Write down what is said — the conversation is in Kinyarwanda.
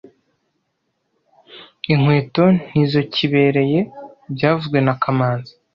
Inkweto ntizokibereye byavuzwe na kamanzi